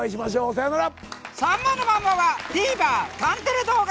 さよなら！